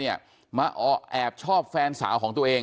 มาแอบชอบแฟนสาวของตัวเอง